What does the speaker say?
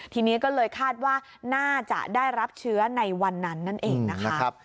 ทีนี้ก็เลยคาดว่าน่าจะได้รับเชื้อในวันนั้นนั่นเองนะคะ